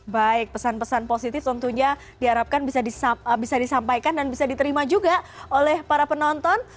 baik pesan pesan positif tentunya diharapkan bisa disampaikan dan bisa diterima juga oleh para penonton